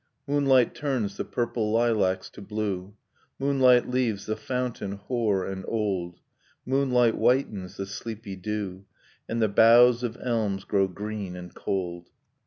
Moonlight turns the purple lilacs to blue. Moonlight leaves the fountain hoar and old, Moonlight whitens the sleepy dew. And the boughs of elms grow green and cold.